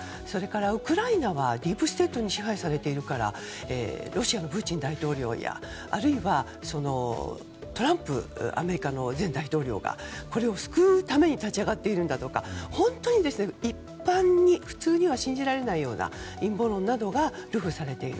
ウクライナはディープステートに支配されているからロシアのプーチン大統領やあるいはトランプアメリカの前大統領がこれを救うために立ち上がっているんだとか普通には信じられないような陰謀論などが流布されている。